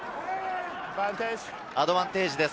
アドバンテージです。